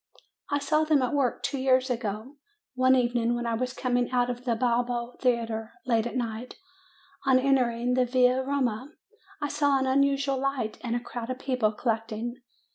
"I saw them at work two years ago, one evening, when I was coming out of the Balbo Theatre late at night. On entering the Via Roma* I saw an unusual light, and a crowd of people collecting.